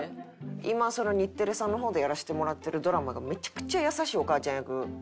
今日テレさんの方でやらせてもらってるドラマがめちゃくちゃ優しいお母ちゃん役。